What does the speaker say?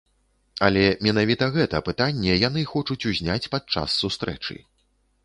Але менавіта гэта пытанне яны хочуць узняць падчас сустрэчы.